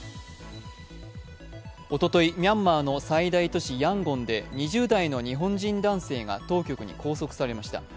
おととい、ミャンマーの最大都市ヤンゴンで２０代の日本人男性が当局に拘束されました。